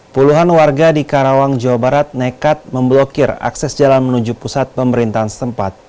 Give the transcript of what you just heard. puluhan warga di karawang jawa barat nekat memblokir akses jalan menuju pusat pemerintahan tempat